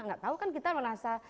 nggak tahu kan kita merasa